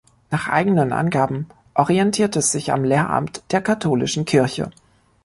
Nach eigenen Angaben orientiert es sich am Lehramt der katholischen Kirche.